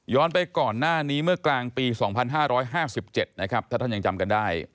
ไปก่อนหน้านี้เมื่อกลางปี๒๕๕๗นะครับถ้าท่านยังจำกันได้